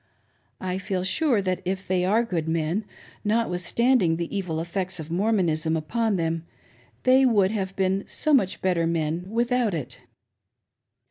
I feel sure that if they are good men, notwithstanding the evil effects of Mormonism upon them, they would have been much better men without it.